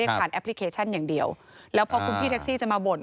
ผ่านแอปพลิเคชันอย่างเดียวแล้วพอคุณพี่แท็กซี่จะมาบ่น